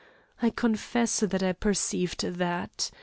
I confess that I perceived that.